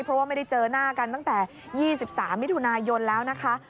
เพราะว่าไม่ได้เจอหน้ากันตั้งแต่๒๓มิถุนายนแล้วนะคะ